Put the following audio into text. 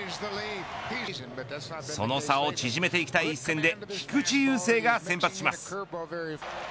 その差を縮めていきたい一戦で菊池雄星が先発します。